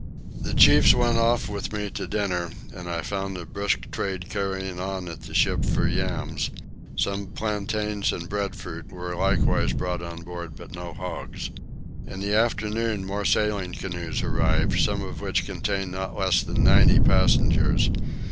The chiefs went off with me to dinner, and I found a brisk trade carrying on at the ship for yams; some plantains and breadfruit were likewise brought on board but no hogs. In the afternoon more sailing canoes arrived, some of which contained not less than ninety passengers.